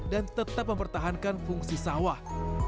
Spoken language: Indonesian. dan tetap mempertahankan fungsi sawah